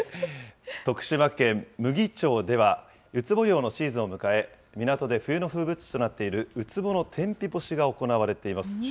徳島県牟岐町では、ウツボ漁のシーズンを迎え、港で冬の風物詩となっているウツボの天日干しが行われています。